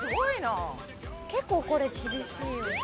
結構これ厳しいよね。